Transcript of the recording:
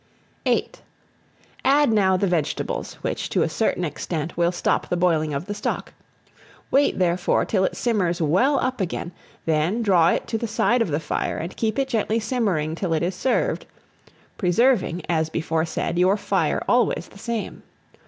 VIII. ADD NOW THE VEGETABLES, which, to a certain extent, will stop the boiling of the stock. Wait, therefore, till it simmers well up again, then draw it to the side of the fire, and keep it gently simmering till it is served, preserving, as before said, your fire always the same.